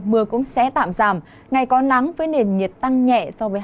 mưa cũng sẽ tạm giảm ngày có nắng với nền nhiệt tăng nhẹ